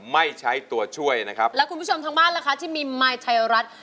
ไม่ใช้ตัวช่วยนะครับ